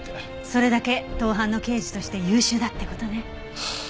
それだけ盗犯の刑事として優秀だって事ね。